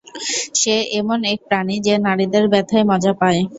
সে এমন এক প্রাণী যে নারীদের ব্যথায় মজা পায়।